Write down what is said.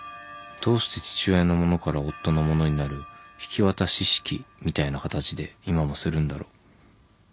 どうして父親のものから夫のものになる引き渡し式みたいな形で今もするんだろう。